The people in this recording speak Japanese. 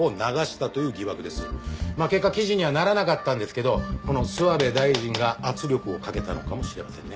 結果記事にはならなかったんですけどこの諏訪部大臣が圧力をかけたのかもしれませんね。